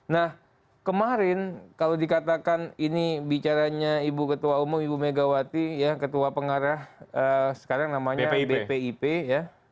nah kemarin kalau dikatakan ini bicaranya ibu ketua umum ibu megawati ya ketua pengarah sekarang namanya bpip ya